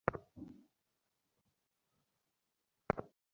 তখন কুমুদ বলে, তোমার জন্যে একটা জিনিস এনেছি মতি।